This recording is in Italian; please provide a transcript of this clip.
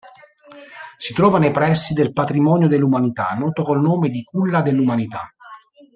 Si trova nei pressi del patrimonio dell'umanità noto col nome di Culla dell'umanità.